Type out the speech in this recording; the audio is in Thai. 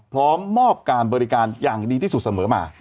พร้อมมอบการบริการอย่างดีที่สุดเสมอมา